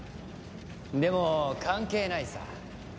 でも関係ないさ。